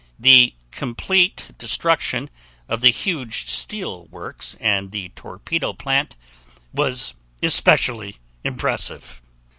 The complete destruction of the huge steel works and the torpedo plant was especially impressive.